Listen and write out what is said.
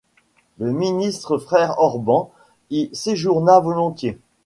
Le ministre Frère-Orban y séjourna volontiers.